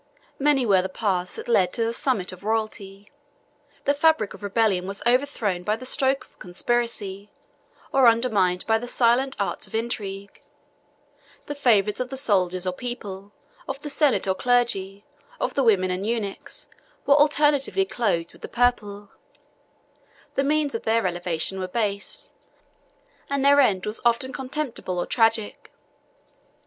Many were the paths that led to the summit of royalty: the fabric of rebellion was overthrown by the stroke of conspiracy, or undermined by the silent arts of intrigue: the favorites of the soldiers or people, of the senate or clergy, of the women and eunuchs, were alternately clothed with the purple: the means of their elevation were base, and their end was often contemptible or tragic.